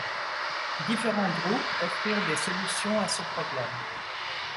Différents groupes offrirent des solutions à ce problème.